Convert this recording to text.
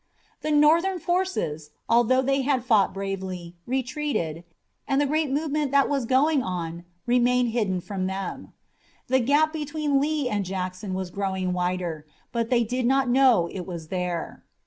The Northern forces, although they had fought bravely, retreated, and the great movement that was going on remained hidden from them. The gap between Lee and Jackson was growing wider, but they did not know it was there.